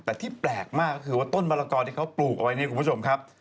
แต่ที่แปลกมากก็คือว่าต้นมะละกอที่เขาปลูกเอาไว้เนี่ยคุณผู้ชมครับ